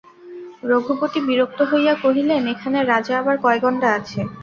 রঘুপতি বিরক্ত হইয়া কহিলেন, এখানে রাজা আবার কয় গণ্ডা আছে?